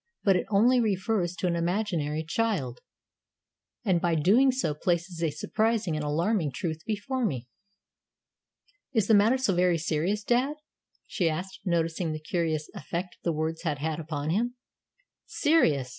"But it only refers to an imaginary child, and, by so doing, places a surprising and alarming truth before me." "Is the matter so very serious, dad?" she asked, noticing the curious effect the words had had upon him. "Serious!"